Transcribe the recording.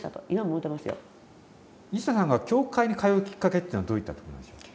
西田さんが教会に通うきっかけというのはどういったことなんでしょう？